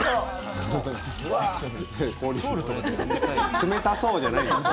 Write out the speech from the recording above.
冷たそうじゃないですよ。